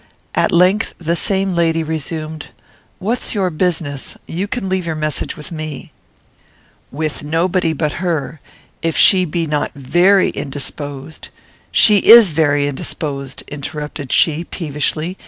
At length the same lady resumed, "What's your business? You can leave your message with me." "With nobody but her. If she be not very indisposed " "She is very indisposed," interrupted she, peevishly.